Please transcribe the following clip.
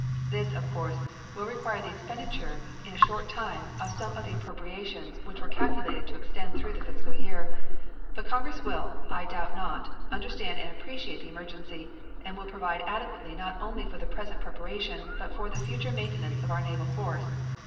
This, of course, will require the expenditure in a short time of some of the appropriations which were calculated to extend through the fiscal year, but Congress will, I doubt not, understand and appreciate the emergency, and will provide adequately not only for the present preparation, but for the future maintenance of our naval force.